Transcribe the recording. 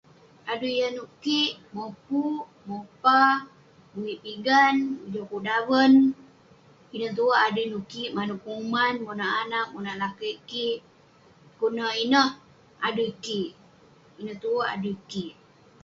Adui yah nouk kik, mopuk, mopa, muwik pigan, ngejokuk daven. ineh tuek adui nouk kik. manouk peguman monak anag, monak lakeik kik. dukuk neh ineh adui kik, ineh tuek adui kik